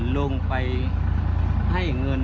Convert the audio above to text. โดยก็เลย